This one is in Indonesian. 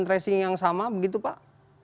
tracing yang sama begitu pak